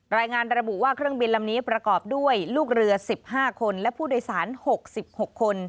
รายงานระบุว่าเครื่องบินลำนี้ประกอบด้วยลูกเรือ๑๕คนและผู้โดยสาร๖๖คน